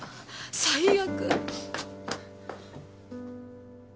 最悪！